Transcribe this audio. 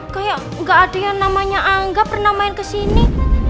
kayak gak ada yang namanya angga pernah main kesini